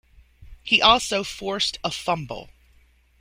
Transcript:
He also forced a fumble.